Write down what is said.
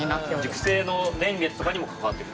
熟成の年月とかにも関わってくる？